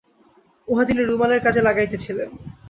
উহা তিনি রুমালের কাজে লাগাইতেছিলেন।